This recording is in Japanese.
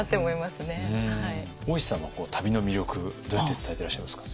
大石さんは旅の魅力どうやって伝えてらっしゃいますか？